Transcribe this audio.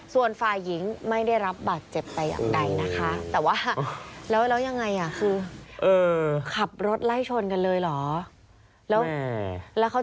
ส่วนฝ่ายหญิงไม่ได้รับบาดเจ็บแต่อย่างใดนะคะ